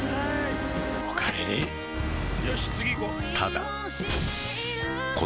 おかえりよし次行こう！